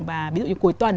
và ví dụ như cuối tuần